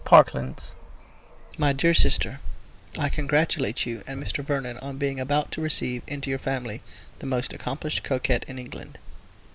_ Parklands. My dear Sister,—I congratulate you and Mr. Vernon on being about to receive into your family the most accomplished coquette in England.